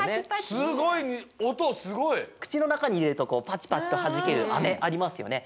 すごい音すごい！くちのなかにいれるとパチパチとはじけるアメありますよね。